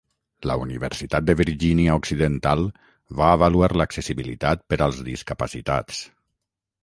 La Universitat de Virgínia Occidental va avaluar l'accessibilitat per als discapacitats.